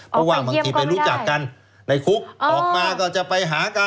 เพราะว่าบางทีไปรู้จักกันในคุกออกมาก็จะไปหากัน